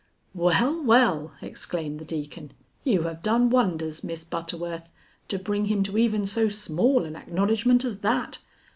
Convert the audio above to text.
"Well, well!" exclaimed the Deacon, "you have done wonders, Miss Butterworth, to bring him to even so small an acknowledgment as that!